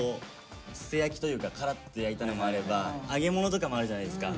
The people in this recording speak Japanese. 素焼きというかカラッて焼いたのもあれば揚げ物とかもあるじゃないですか。